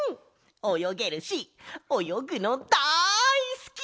およげるしおよぐのだいすき！